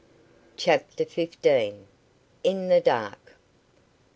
CHAPTER FIFTEEN. IN THE DARK.